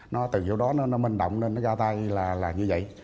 nó từ chỗ đó nó minh động nên nó ra tay là như vậy